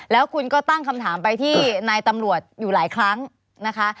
แล้วคุณก็ตั้งคำถามไปที่นายตำรวจอยู่หลายครั้งนะคะ